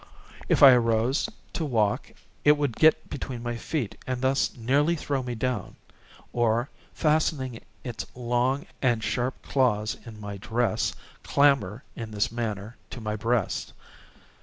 If I arose to walk it would get between my feet and thus nearly throw me down, or, fastening its long and sharp claws in my dress, clamber, in this manner, to my breast.